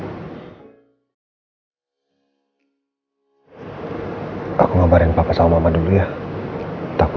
gak usah kabarin apa apa ke mama sama papa